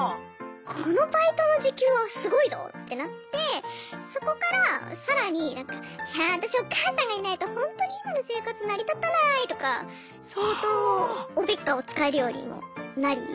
このバイトの時給はすごいぞってなってそこから更にいや私お母さんがいないとほんとに今の生活成り立たないとか相当おべっかを使えるようにもなり。